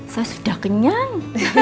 saya sudah kenyang